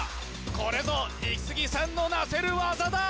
これぞイキスギさんのなせる技だ！